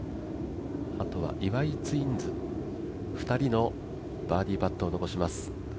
あとは岩井ツインズ２人のバーディーパットを残します